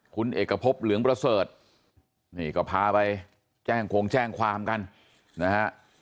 คุณเอกพบเหลืองประเสริฐนี่ก็พาไปแจ้งโครงแจ้งความกันนะฮะ